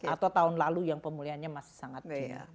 atau tahun lalu yang pemulihan nya masih sangat jauh